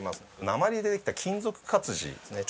鉛でできた金属活字ですね。